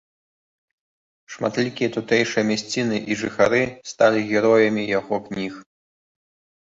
Шматлікія тутэйшыя мясціны і жыхары сталі героямі яго кніг.